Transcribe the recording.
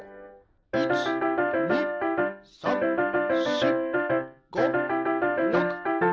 １２３４５６７８。